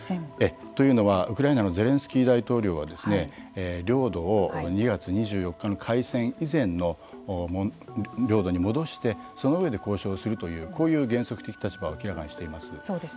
というのはウクライナのゼレンスキー大統領は領土を２月２４日の開戦以前の領土に戻してその上で交渉するというこういう原則的立場を明らかにしています。